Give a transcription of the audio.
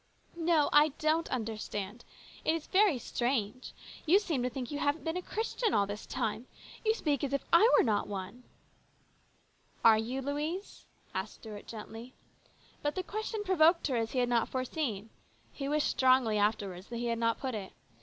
" No, I don't understand. It is very strange. You seem to think you haven't been a Christian all this time. You speak as if I were not one?" AN EXCITING TIME. 129 "Are you, Louise?" asked Stuart gently. But the question provoked her as he had not foreseen. He wished strongly afterwards that he had not put it.